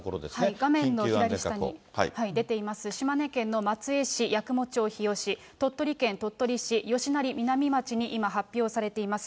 画面の左下に出ています、島根県の松江市、八雲町日吉、鳥取県鳥取市吉成南町に今、発表されています。